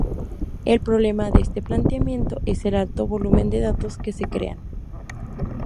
El problema de este planteamiento es el alto volumen de datos que se crean.